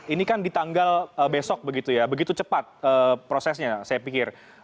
ini kan di tanggal besok begitu ya begitu cepat prosesnya saya pikir